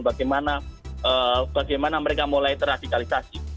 bagaimana mereka mulai teradikalisasi